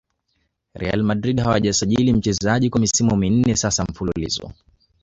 real adrid hawajasajiri wachezaji kwa misimu minne sasa mfululizo